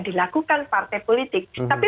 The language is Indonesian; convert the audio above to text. dilakukan partai politik tapi